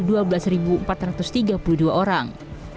jumlah penumpang ini menang empat ratus tiga puluh dua orang